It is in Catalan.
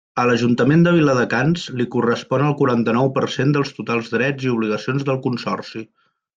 A l'Ajuntament de Viladecans li correspon el quaranta-nou per cent dels totals drets i obligacions del Consorci.